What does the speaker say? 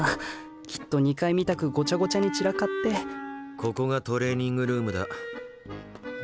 きっと２階みたくごちゃごちゃに散らかってここがトレーニングルームだ。